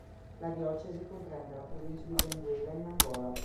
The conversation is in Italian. La diocesi comprende la provincia di Benguela in Angola.